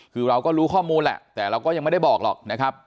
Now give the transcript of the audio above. คือเราก็รู้ข้อมูลแหละแต่เราก็ยังไม่ได้บอกหรอกนะครับ